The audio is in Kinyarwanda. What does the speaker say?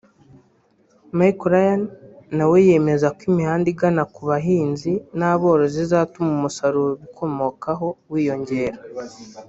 Michael Ryan nawe yemeza ko imihanda igana ku bahinzi n’aborozi izatuma umusaruro ubikomokaho wiyongera